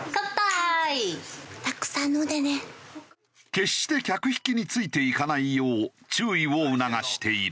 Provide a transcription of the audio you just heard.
決して客引きについていかないよう注意を促している。